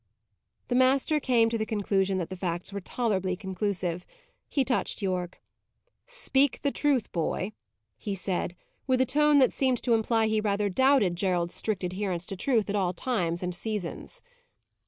The master came to the conclusion that the facts were tolerably conclusive. He touched Yorke. "Speak the truth, boy," he said, with a tone that seemed to imply he rather doubted Gerald's strict adherence to truth at all times and seasons.